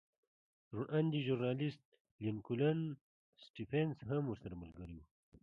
روڼ اندی ژورنالېست لینکولن سټېفنس هم ورسره ملګری و